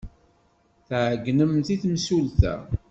Tɛeyynemt i temsulta.